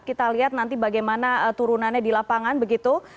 kita lihat nanti bagaimana turunannya di lapangan begitu